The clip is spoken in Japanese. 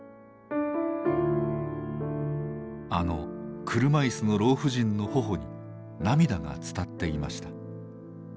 あの車椅子の老婦人の頬に涙が伝っていました。